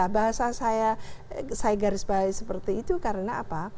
bahasa saya garis bawah seperti itu karena apa